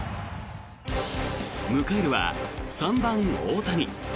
迎えるは３番、大谷。